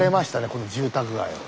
この住宅街を。